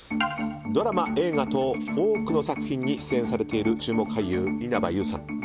ドラマ、映画と多くの作品に出演されている注目俳優・稲葉友さん。